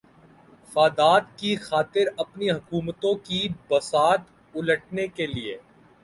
فادات کی خاطر اپنی حکومتوں کی بساط الٹنے کیلئے